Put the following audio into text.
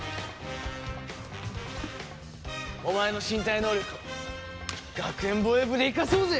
お前の身体能力を学園防衛部で生かそうぜ！